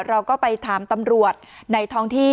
เราก็ไปถามตำรวจในท้องที่